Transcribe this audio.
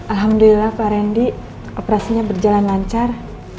alhamdulillah pak randy operasinya berjalan lancar